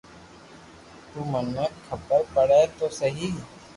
تو مني خبر پڙي تو سھي